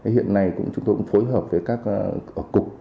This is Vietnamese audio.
hiện nay chúng tôi cũng phối hợp với các cục